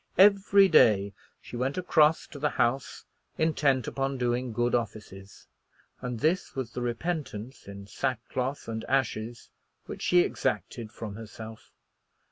Every day she went across to the house intent upon doing good offices; and this was the repentance in sackcloth and ashes which she exacted from herself.